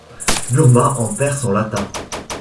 Burma en perd son latin.